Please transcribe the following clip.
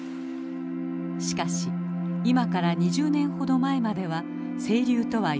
しかし今から２０年ほど前までは清流とは呼べない川でした。